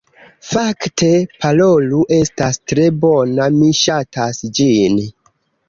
Fakte, Parolu estas tre bona, mi ŝatas ĝin